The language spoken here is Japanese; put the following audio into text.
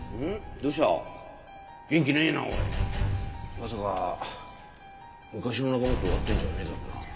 まさか昔の仲間と会ってるんじゃねえだろうな？